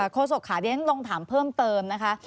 โครสกขาเด้นต้องถามเพิ่มเติมนะคะ